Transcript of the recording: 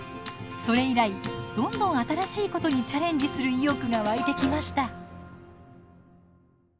それ以来どんどん新しいことにチャレンジする意欲が湧いてきました。